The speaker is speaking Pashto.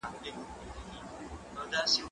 زه مخکي پلان جوړ کړی وو؟